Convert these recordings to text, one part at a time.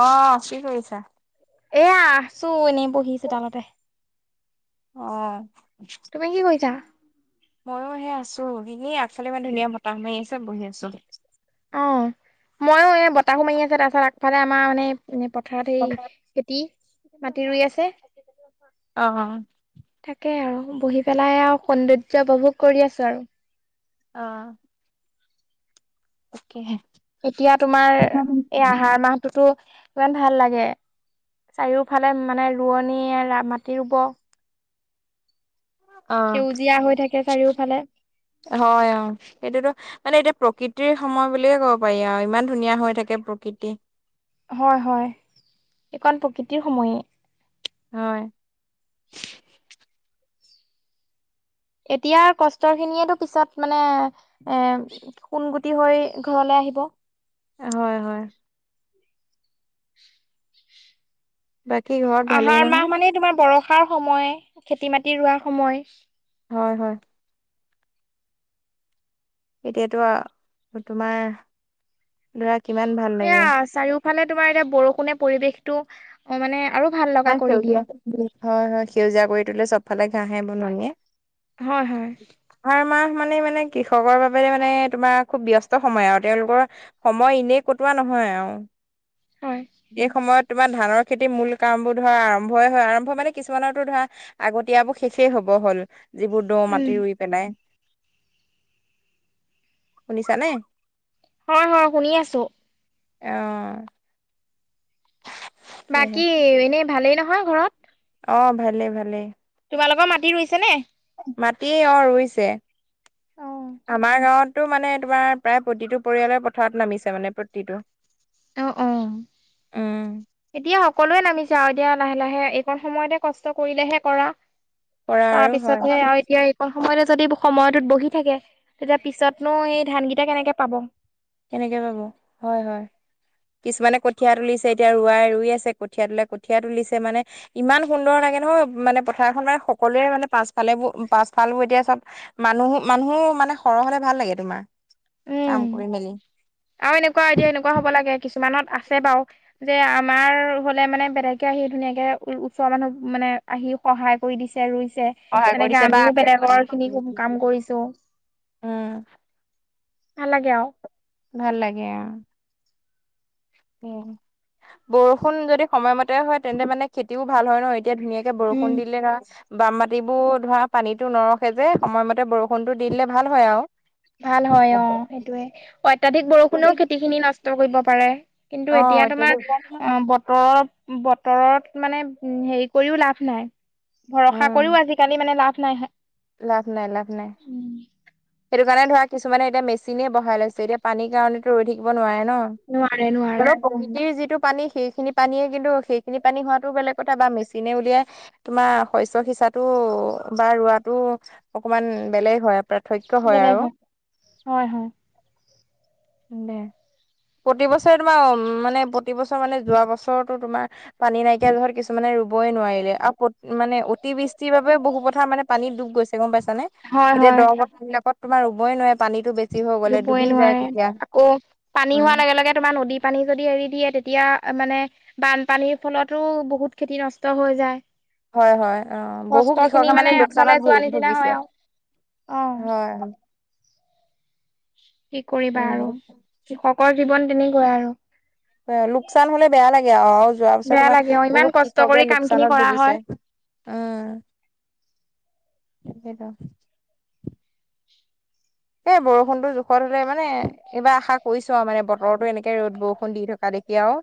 অ', কি কৰিছা? এয়া আছো এনেই বহি চোতালতে। অ'। তুমি কি কৰিছা? ময়ো সেই আছো, এনে আগফালে ইমান ধুনীয়া বতাহ মাৰি আছে, বহি আছো। অ', ময়ো এ বতাহো মাৰি আছে, তাৰপাছত আগফালে আমাৰ মানে এ পথাৰত হেই খেতি, মাটি ৰুই আছে। অ'। তাকে আৰু বহি পেলাই আৰু, সৌন্দৰ্য উপভোগ কৰি আছো আৰু। অ তাকে। এতিয়া তোমাৰ, এই আহাৰ মাহ টোটো ইমান ভাল লাগে, চাৰিওফালে মানে ৰোৱনীয়ে মাটি ৰুব। অ, সেউজীয়া হৈ থাকে চাৰিওফালে। হয় অ সেইটোতো- মানে এতিয়া প্ৰকৃতিৰ সময় বুলিয়ে ক'ব পাৰি আৰু ইমান ধুনীয়া হৈ থাকে প্ৰকৃতি। হয় হয়, এইকণ প্ৰকৃতিৰ সময়ে। হয়। এতিয়াৰ কষ্টৰ খিনিয়েতো পিছত মানে এ- কোনগুটি হৈ ঘৰলৈ আহিব। হয় হয়। [unintelligible] বাকী ঘৰত ভালেই আহাৰ মাহ নহয়? মানে তোমাৰ বৰষাৰ সময় খেতি মাটি ৰোৱাৰ সময়। হয় হয়। এতিয়াতো, তোমাৰ- ধৰা কিমান- ভাল লাগে। সেয়া চাৰিওফালে তোমাৰ এতিয়া বৰষুণে পৰিৱেশতো, অ মানে আৰু ভাল- লগা ইমান কৰি দিয়ে সেউজীয়া, হয় হয় সেউজীয়া কৰি তলে চবফালে ঘাঁহে বননিয়ে। হয় হয়। আহাৰ মাহ মানে মানে কৃষকৰ বাবে মানে তোমাৰ খুব ব্যস্ত সময় আৰু তেওঁলোকৰ- সময় এনে কটোৱা নহয় আৰু- হয়। এই সময়ত তোমাৰ ধানৰ খেতি মূল- কাম বোৰ ধৰা আৰম্ভই হয় আৰম্ভ মানে কিছুমানৰো ধৰা আগতীয়াবোৰ শেষেই হব হ'ল। যিবোৰটো উম মাটি ৰুই পেলাই, শুনিছানে? হয় হয় শুনি আছো। আহ। সেয়েহে বাকী এনেই ভালেই নহয় ঘৰত? অ ভালে ভালে। তোমালোকৰ মাটি ৰুইছেনে? মাটি অ ৰুইছে। অ আমাৰ গাঁৱতো মানে তোমাৰ প্ৰায় প্ৰতিটো পৰিয়ালৰ পথাৰত নামিছে মানে প্ৰতিটো। আহ অ। উম এতিয়া সকলোৱে নামিছে আৰু এতিয়া লাহে লাহে এইকণ সময়তে কষ্ট কৰিলেহে কৰা। কৰা তাৰ আৰু হয় পিছতহে আৰু এতিয়া- অকল সময়তে যদি সময়টোত বহি থাকে তেতিয়া পিছতনো এই ধানকেইটা কেনেকৈ পাব। কেনেকে পাব, হয় হয়। কিছুমানে কঠীয়া তুলিছে এতিয়া ৰৱাই ৰুই আছে কঠীয়া তোলেই কঠীয়া তুলিছে মানে - ইমান সুন্দৰ লাগে নহয় মানে পথাৰখন মানে সকলোে মানে পাছফালে বোৰ পাছফাল বোৰ এতিয়া চব- মানুহ মানুহো মানে সৰহ হলে ভাল লাগে তোমাৰ, উম কাম কৰি মেলি। আৰু এনেকুৱা এতিয়া এনেকুৱা হ'ব লাগে কিছুমানত আছে বাৰু- যে আমাৰ হলে মানে বেলেগে আহি ধুনীয়াকে ওচৰৰ মানুহ মানে আহি- সহায় কৰি দিছে ৰুইছে সহায় কৰি তেনেকে দিছে বা আমিও বেলেগৰ খিনি কাম কৰিছো। উম। নালাগে আৰু। ভাল লাগে অ। উম উম, বৰষুণ যদি সময়মতে হয় তেন্তে মানে খেতিও ভাল হয় ন এতিয়া ধুনীয়াক এতিয়াৰ বৰষুণ দিলে ৰা বাম মাটিবোৰ ধৰা পানীটো নৰখে যে সময়মতে বৰষুণটো দি দিলে ভাল হয় আৰু। ভাল হয় অ' সেইটোয়ে অ অত্যাধিক বৰষুণেও খেতিখিনি নষ্ট কৰিব পাৰে। কিন্তু এতিয়া তোমাৰ অ' বতৰৰ বতৰত মানে উম হেৰি কৰিও লাভ নাই। ভৰসা উম কৰিও আজিকালি মানে লাভ নাই হে লাভ নাই লাভ নাই। উম। সেইটো কাৰণে ধৰা কিছুমানে এতিয়া মেচিনে বহাই লৈছে এতিয়া পানীৰ কাৰণেতো ৰৈ থাকি দিব নোৱাৰে ন, নোৱাৰে [inaudible] নোৱাৰে [unintelligible] ইটো যিটো পানী সেইখিনি পানীয়ে কিন্তু সেইখিনি পানী হোৱাটো বেলেগ কথা বা মেচিনে উলিয়াই তোমাৰ শস্য সিঁচাতো বা ৰোৱাটো অকমান বেলেগ হয়, [inaudible] এ বেলেগ আৰু। হয়, হয়, হয়। দে, প্ৰতি বছৰে তোমাৰ উম মানে প্ৰতি বছৰ মানে যোৱা বছৰটো তোমাৰ পানী নাইকিয়া জহত কিছুমানে ৰুবই নোৱাৰিলে আৰু প্ৰত মানে অতিবৃষ্টিৰ বাবে বহু পথাৰ মানে পানীত ডুব গৈছে গম পাইছানে? হয় হয় এতিয়া দ হয় পথবিলাকত তোমাৰ ৰুবই নোৱাৰে, পানীতো বে ছি হৈ গ'লে ৰুবই ডুবি নোৱাৰে যায় কঠীয়া আকৌ পানী উম। হোৱাৰ লগে - লগে তোমাৰ নদীৰ পানী যদি এৰি দিয়ে তেতিয়া মানে বানপানীৰ ফলতো বহুত খেতি নষ্ট হৈ যায়। হয়, হয় অ', বহু কষ্ট কৃষকে খিনি মানে লোকচানত অথলে ভু যোৱা নিচিনা ভুগিছে। হয় আৰু অ হয় হ। কি কৰিবা আৰু উম কৃষকৰ জীৱন তেনেকুৱাই আৰু। অয়া লোকচান হ'লে বেয়া লাগে আ আ আৰু যোৱা পিছত বেয়া তোমাৰ লাগে অ ইমান বহুত কষ্ট কৃষকে কৰি কাম খিনি লোকচানত কৰা ভুগিছে। হয় অ', সেইটোৱেতো। এ বৰষুণটো জোখত হলে মানে এইবাৰ আশা কৰিছো আৰু মানে বতৰতো এনেকে ৰ'দ - বৰষুণ দি থকা দেখি আৰু।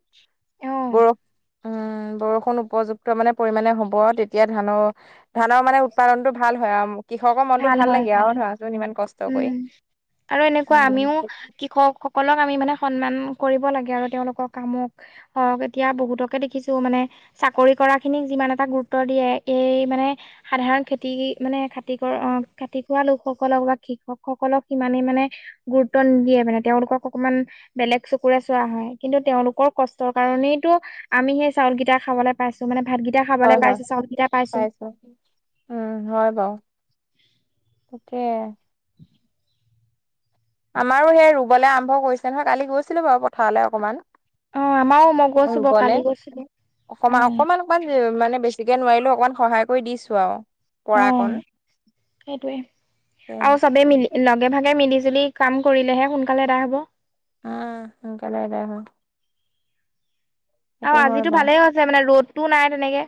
অ বৰ উম, বৰষুণ উপযুক্ত মানে পৰিমাণে হ'ব আৰু তেতিয়া ধানৰ ধানৰ মানে উৎপাদনটো ভাল হয় আৰু কৃষকৰ মনতো ভাল লাগে আৰু ধৰাচোন ইমান কষ উম আৰু এনেকুৱা আমিও কৃ ষকসকলক আমি মানে সন্মান কৰিব লাগে আৰু তেওঁলোকৰ কামক হক এতিয়া বহুতকে দেখিছো মানে চাকৰি কৰাখিনিক যিমান এটা গুৰুত্ব দিয়ে, এই মানে সাধাৰণ খেতি মানে খেত তি কৰ অ খেতি কৰা লোকসকলক বা কৃষকসকলক সিমানেই মানে গুৰুত্ব নিদিয়ে মানে তেওঁলোকক অকমান বেলেগ চকুৰে চোৱা হয় কিন্তু তেওঁলোকৰ কষ্টৰ কাৰণেইটো আমি সেই চাউলকেইটা খাবলৈ পাইছোঁ মানে ভাতগিটা হয় খাবলৈ হয় পাইছোঁ, চাউলকিটা পাইছোঁ। পাইছো উম হয় বাৰু, তাকে। আমাৰো সেই ৰুবলৈ আৰম্ভ কৰিছে নহয়, কালি গৈছিলোঁ বাৰু পথাৰলৈ অকমান। অ আমাৰও মই গৈছো বাৰু ৰুবলে, কালি গৈছিলো অ অকমান - অকমান মান মানে বেছিকে নোৱাৰিলেও অকণমান সহায় কৰি দিছোঁ আৰু। অ', পৰাকণ সেইটোৱে উম আৰু চবেই মিলি লগে ভাগে মিলি - জুলি কাম কৰিলেহে সোনকালে এদায় হ'ব। উম, সোনকালে এদায় হয়! সেইটো অ', হয় আজিতো বাৰু ভালে হৈছে মানে ৰ'দটো নাই তেনেকে।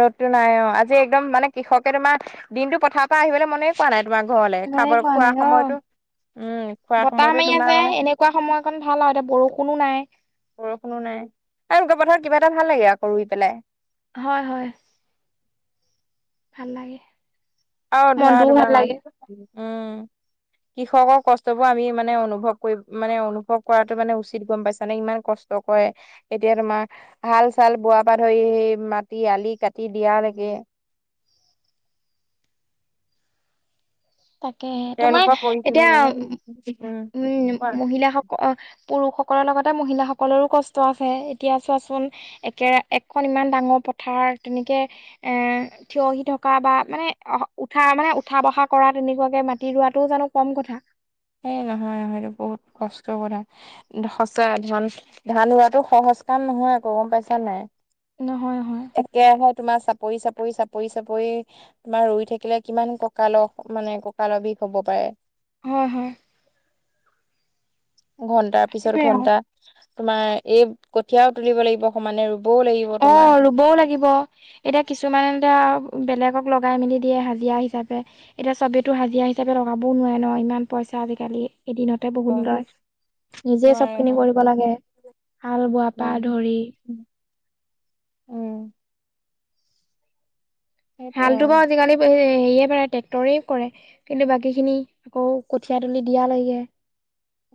ৰ'দটো নাই অ' আজি একদম মানে কৃষকে তোমাৰ দিনটো পথাৰৰ পৰা আহিবলে মনে - কৰা নাই তোমাৰ ঘৰলে, মনে খাবৰ কৰা খোৱা নাই অ'। সময়তো উম, খোৱা সময়তো তোমাৰ মানে - খোৱা সময়কণ ভাল আৰু এতিয়া বৰষুণো নাই। বৰষুনো নাই, আৰু উকা পথাৰত কিবা এটা ভাল লাগে আকৌ ৰুই পেলাই। হয় হয়। ভাল লাগে। আৰু ধৰা মনটোও ভাল তোমাৰ, লাগে উম কৃষকৰ কষ্টবোৰ আমি মানে অনুভৱ কৰি মানে অনুভৱ কৰাটো মানে উচিত গম পাইছা নে, ইমান কষ্ট - ষ্ট কৰে। এতিয়া তোমাৰ হাল-চাল বোৱাৰ পা ধৰি মাটি আলি কাটি দিয়া লেকে। তাকেহে, তোমাৰ তেওঁলোকৰ এতিয়া পৰিশ্ৰমৰ বাবে উম মহিলাসক - অ', পুৰুষসকলৰ লগতে মহিলাসকলৰো কষ্ট আছে! এতিয়া চোৱাচোন - একেৰা একখন ইমান ডাঙৰ পথাৰ তেনেকে- এ থিয়হি থকা বা মানে অ' উঠা মানে উঠা বহা- কৰা, তেনেকুৱাকে মাতি ৰোৱাতোও জানো কম কথা! এই নহয় নহয় এইটো বহুত কষ্ট কৰা। সঁচা ধন ধান ৰোৱাতো সহজ কাম নহয় আক গম পাইছা নাই! নহয় নহয়। একেৰাহে তোমাৰ চাপৰি চাপৰি চাপৰি চাপৰি - তোমাৰ ৰুই থাকিলে কিমান ককাল মানে ককালৰ বিষ হব পাৰে। হয় হয়। ঘন্টাৰ পিছত সেইটোৱে আৰু ঘন্টা তোমাৰ এই কঠিয়াও তুলিব লাগিব সমানে ৰুবও লাগিব। অ তোমাৰ ৰুবও লাগিব। এতিয়া কিছুমানে এতিয়া বেলেগক লগাই মেলি দিয়ে হাজিৰা হিচাপে - এতিয়া চবেতো হাজিৰা হিচাপে লগাবও নোৱাৰে ন ইমান পইচা আজিকালি এদিনতে বহুত লয়। নিজে চব নোৱাৰে খিনি আকৌ কৰিব লাগে হাল বোৱা পৰা উম ধৰি - উম। সেইটোৱে হালটো আৰু বাৰু আজিকালি হেৰিয়ে কৰে ট্ৰেক্টৰেই কৰে। কিন্তু বাকী খিনি আকৌ কঠিয়া তুলি দিয়া লেকে।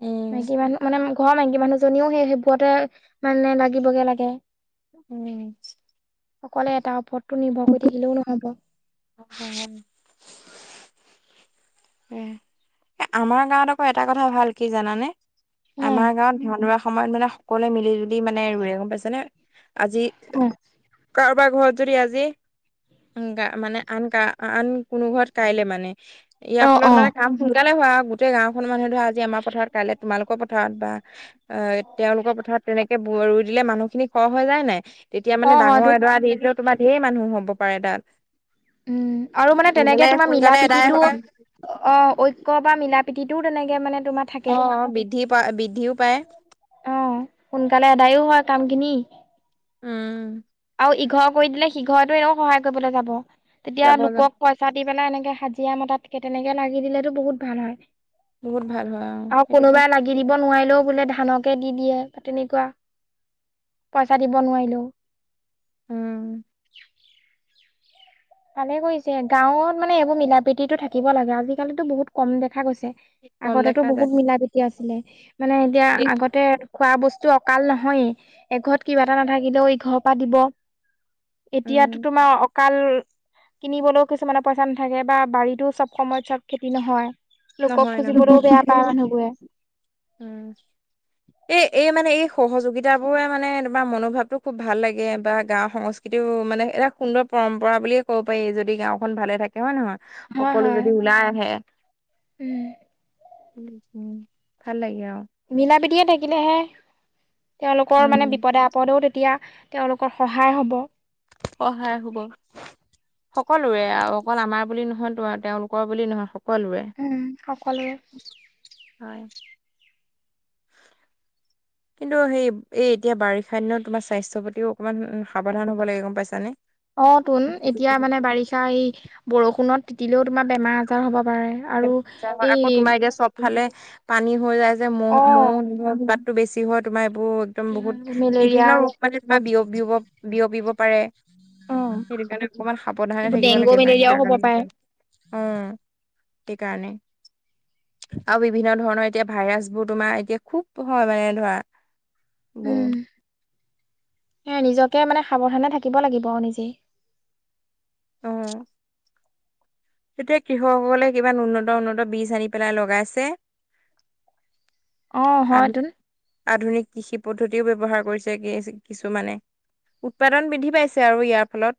উম মাইকী মানুহ মানে ঘৰৰ মাইকী মানুহজনীও সেই সেইবোৰতে মানে লাগিবগে লাগে। উম। অকলে এটাৰ ওপৰতটো নিৰ্ভৰ কৰি থাকিলেও নহব। [unintelligible] উম, আমাৰ গাঁৱত আকৌ এটা কথা ভাল কি জানানে? হ আমাৰ গাঁৱত ধান ৰুৱাৰ সময়ত মানে সকলোৱে মিলি - জুলি মানে ৰুৱে গম পাইছে নে, আজি - উম। কাৰোবাৰ ঘৰত যদি আজি গা মানে - আন কা আন কোনো ঘৰত কাইলে মানে। অ ইয়াৰ অ ফলত মানে কাম সোনকালে হয় আৰু গোটেই গাঁওখনৰ মানুহ ধৰা আজি আমাৰ পথাৰত কাইলৈ তোমালোকৰ পথাৰত বা- অ তেওঁলোকৰ পথাৰত তেনেকে ভূই ৰুই দিলে মানুহখিনি হৰ হৈ যায় নে নাই? তেতিয়া অ মানে ডাঙৰ হয়তোন এডৰা দি দিলেও তোমাৰ ঢেৰ মানুহ হব পাৰে তাত। উম আৰু মানে তেনেকে সোনকালে তোমাৰ সোনকালে এদাই মিলা-প্ৰীতিটো হয় - অ ঐক্য বা মিলা - প্ৰীতিতোও তেনেকে মানে তোমাৰ - অ, অ, বৃদ্ধি পায় বৃদ্ধিও পায়। অ, সোনকালে আদায়ও হয়, কাম খিনি। উম, আৰু ইঘৰত কৰি দিলে, সিঘৰটো এও সহায় কৰিবলৈ যাব, তেতিয়া যাব যাব লোকক পইচা দি পেলাই এনেকে হাজিৰা মতাতকে, তেনেকে লাগি দিলেতো বহুত ভাল হয়। বহুত ভাল হয় অ, আৰু সেইটোতো কিনিব, নোৱাৰিলেও বোলে ধানকে দি দিয়ে, বা তেনেকুৱা পইচা দিব নোৱাৰিলেও। উম ভালে কৰিছে গাঁৱত মানে এইবোৰ মিলা- প্ৰীতিটো থাকিব লাগে, আজিকালিতো বহুত কম দেখা গৈছে। কম আগতেতো দেখা যায় বহুত মিলা- প্ৰীতি আছিলে, মানে এতিয়া এ আগতে খোৱা বস্তু অকাল নহয়েই, এঘৰত কিবা এটা নাথাকিলেও ইঘৰৰ পৰা দিব। উম এতিয়াতো, তোমাৰ অকাল কিনিবলৈও কিছুমানৰ পইচা নাথাকে, বা বাৰীতোও চব সময়ত চব খেতি নহয়। লোকক নহয় নহয় খোজিবলৈও বেয়া পায় মানুহবোৰে। উম, এই, এই মানে এই সহযোগিতা বোৰে মানে তোমাৰ মনোভাৱটো খুব ভাল লাগে বা গাওঁ সংস্কৃ কিন্তু মানে এটা সুন্দৰ পৰম্পৰা বুলিয়ে ক'ব পাৰি, যদি গাঁওখন ভালে থাকে। হয়, নে নহয় হয় সকলো হয় যদি ওলাই আহে। উম, উম, উম, ভাল লাগে আৰু। মিলা - প্ৰীতিৰে থাকিলেহে, তেওঁলোকৰ মানে উম। বিপদে-আপদে বিপদেও তেতিয়া, তেওঁলোকৰ সহায় হ'ব। সহায় হ'ব, সকলোৰে আৰু অকল আমাৰ বুলি নহয়, তো তেওঁলোকৰ বুলি নহয়। কলোৱে, উম সকলোৰে হয়। কিন্তু সেই এই, এতিয়া বাৰিষা দিনত তোমাৰ স্বাস্থ্যৰ প্ৰতিও অকণমান সাৱধান হ'ব লাগে গম পাইছানে। অ', তোন এতিয়া মানে বাৰিষা এই, বৰষুণত তিতিলেও তোমাৰ বেমাৰ-আজাৰ হ'ব পাৰে। আৰু, বেমাৰ-আজাৰ হয় আকৌ এই তোমাৰ এতিয়া চব ফালে পানী হৈ যায় যে, মহ, অ মৌ উতপাট টো বেছি হয়, তোমাৰ এইবোৰ একদম বহুত, মেলেৰিয়া বিভিন্ন ৰোগ মানে কিবা বিয়প বি, বিয়পিব পাৰে। অ সেইটো কাৰণে অকমান সাৱধানে এইবোৰ থাকিব ডেংগু লাগে, মেলেৰিয়াও হ'ব পাৰে [inaudible] উম, সেই কাৰণে। আৰু বিভিন্ন ধৰণৰ এতিয়া ভাইৰাছ বোৰ তোমাৰ, এতিয়া খুব হয় মানে ধৰা বোৰ উম, সেই নিজকে মানে সাৱধানে থাকিব লাগিব নিজে। অ, এতিয়া কৃষকসকলে কিমান উন্নত, উন্নত বীজ আনি পেলাই লগাইছে। অ, আধুনিক হয়তোন। আধুনিক কৃষি পদ্ধতিও ব্যৱহাৰ কৰিছে, কি কিছুমানে। উৎপাদন বৃদ্ধি পাইছে আৰু ইয়াৰ ফলত।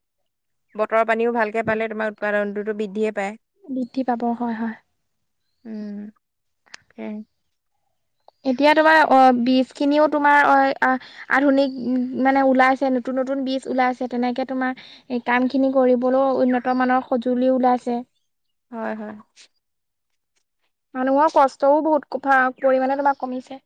বতৰৰ পানীও ভালকে পালে, তোমাৰ উৎপাদনতোটো বৃদ্ধিয়ে পায়। বৃদ্ধি পাব, হয়,, হয়। উম, সেয়াই। এতিয়া তোমাৰ অ, বীজ খিনিও তোমাৰ অ, আহ আধুনিক মানে ওলাইছে, নতুন, নতুন বীজ ওলাইছে, তেনেকে তোমাৰ এই কাম খিনি, কৰিবলৈও উন্নত মানৰ সজুলি ওলাইছে। হয়, হয়। মানুহৰ কষ্টও বহুত কুফা পৰিমাণে তোমাৰ কমিছে।